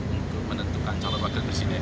untuk menentukan calon wakil presiden